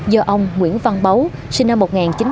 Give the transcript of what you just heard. do ông nguyễn văn báu sinh năm một nghìn chín trăm sáu mươi tám